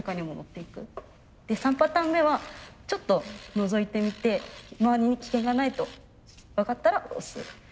３パターン目はちょっとのぞいてみて周りに危険がないと分かったら押す。